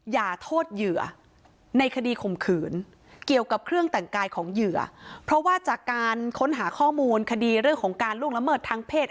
การแต่งกายของเหยื่อเพราะว่าจากการค้นหาข้อมูลคดีเรื่องของการล่วงละเมิดทางเพศ